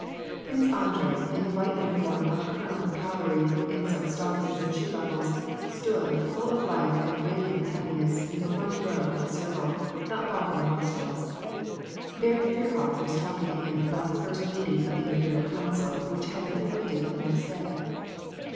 Prince Andrei, in the white uniform of a colonel of cavalry, in silk stockings and shoe buckles, stood, full of life and radi ant with happiness, in the front row of the circle, not far from the Bostofs. Baron Firhof was talking to him about the first meeting of the Imperial Council^ which had been appointed for the next day.